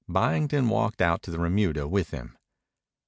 Byington walked out to the remuda with him.